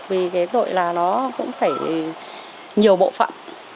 vì cái tội là nó cũng phải nhiều bộ phận